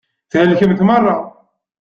Thelkemt meṛṛa.